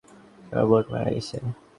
তার বোন মারা গেছে।